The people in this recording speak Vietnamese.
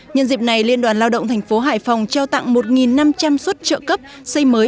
nhân dịp này liên đoàn lao động thành phố hải phòng trao tặng một năm trăm linh suất trợ cấp xây mới